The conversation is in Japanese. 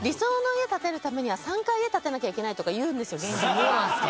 そうなんですか。